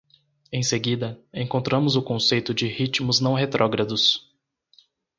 Em seguida, encontramos o conceito de ritmos não retrógrados.